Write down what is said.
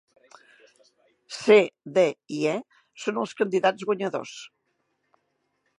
C, D i E són els candidats guanyadors.